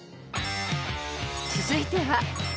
［続いては］